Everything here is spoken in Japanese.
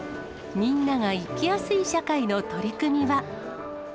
みんなが生きやすい社会の取り組みは。